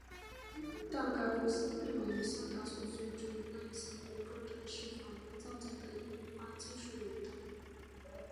但该公司并没有像它所宣称的那样向公众展示反驳造假的研发技术文档。